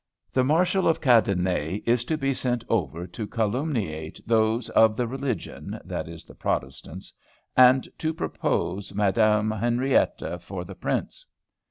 The Marshal of Cadenet is to be sent over to calumniate those of the religion (that is, the Protestants), and to propose Madme. Henriette for the Prince."